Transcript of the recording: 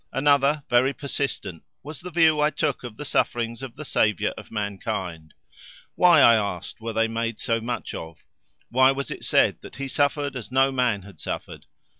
Another, very persistent, was the view I took of the sufferings of the Saviour of mankind. Why, I asked, were they made so much of? why was it said that He suffered as no man had suffered?